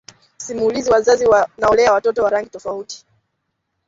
Simulizi Wazazi Wanaolea Watoto wa Rangi Tofauti